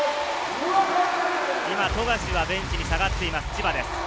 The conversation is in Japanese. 今、富樫はベンチに下がっています、千葉です。